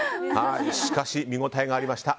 しかし、見応えがありました。